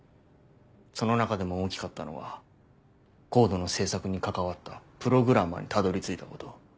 その中でも大きかったのはＣＯＤＥの制作に関わったプログラマーにたどり着いたこと。